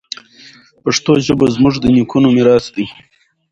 پښتو ژبه زموږ د نیکونو میراث دی.